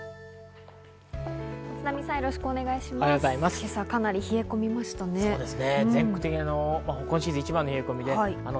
今朝はかなり冷え込みましたね。